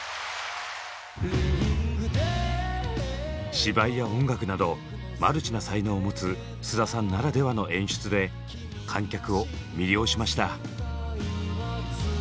芝居や音楽などマルチな才能を持つ菅田さんならではの演出で観客を魅了しました。